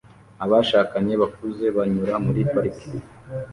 Abashakanye bakuze banyura muri parike